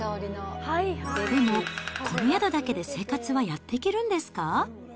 でもこの宿だけで生活はやっていけるんですか。